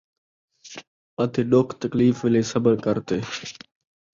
اَتے ݙُکھ تکلیف ویلے صبر کر تے